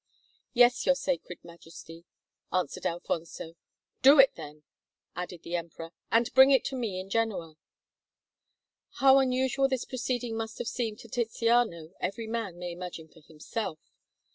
"Yes, your sacred Majesty," answered Alfonso. "Do it, then," added the Emperor, "and bring it to me in Genoa." How unusual this proceeding must have seemed to Tiziano every man may imagine for himself.